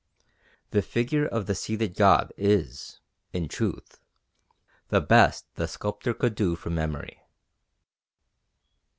The figure of the seated god is, in truth, the best the sculptor could do from memory.